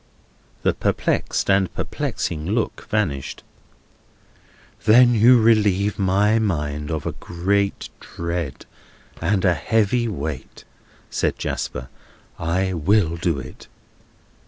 The perplexed and perplexing look vanished. "Then you relieve my mind of a great dread, and a heavy weight," said Jasper; "I will do it."